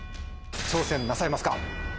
挑戦なさいますか？